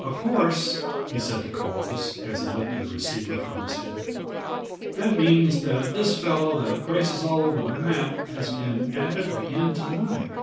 "Of course," he said to Coles, as he lifted the receiver from his head, "that means that this fellow that races all over the map has been at it again to night."